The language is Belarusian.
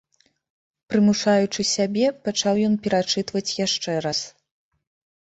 Прымушаючы сябе, пачаў ён перачытваць яшчэ раз.